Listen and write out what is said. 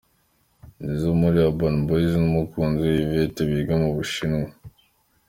Nizzo wo muri Urban Boys n’umukunzi we Yvette wiga mu Bushinwa.